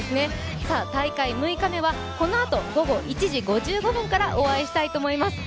大会６日目はこのあと午後１時５５分からお会いしたいと思います。